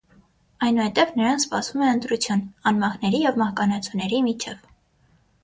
Այնուհետև նրան սպասվում է ընտրություն՝ անմահների և մահկանացուների միջև։